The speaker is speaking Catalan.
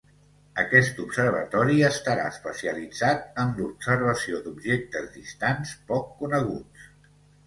Aquest observatori estarà especialitzat en l'observació d'objectes distants, poc coneguts.